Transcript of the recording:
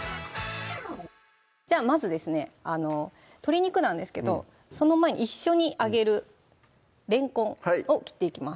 じゃあまずですね鶏肉なんですけどその前に一緒に揚げるれんこんを切っていきます